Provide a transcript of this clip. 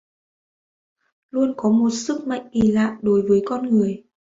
Luôn có một sức hút kỳ lạ đối với con người